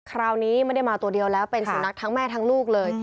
คราวนี้ไม่ได้มาตัวเดียวแล้วเป็นสุนัขทั้งแม่ทั้งลูกเลย